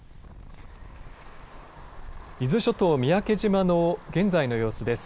伊豆諸島・三宅島の現在の様子です。